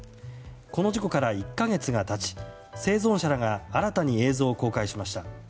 この事故から１か月が経ち生存者らが新たに映像を公開しました。